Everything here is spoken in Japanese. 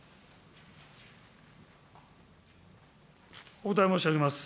お答え申し上げます。